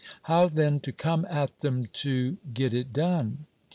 How then to come at them to, get it done?